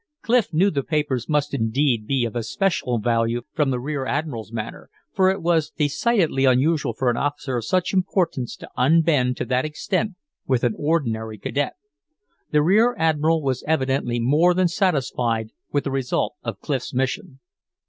Clif knew the papers must indeed be of especial value from the rear admiral's manner, for it was decidedly unusual for an officer of such importance to unbend to that extent with an ordinary cadet. The rear admiral was evidently more than satisfied with the result of Clif's mission.